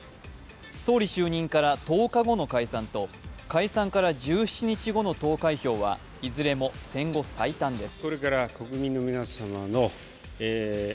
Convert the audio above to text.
総理就任から１０日後の解散と解散から１７日後の投開票はいずれも戦後最短です。